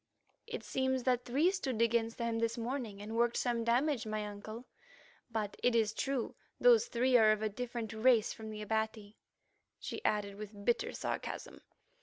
"It seems that three stood against them this morning, and worked some damage, my uncle, but it is true those three are of a different race from the Abati," she added with bitter sarcasm.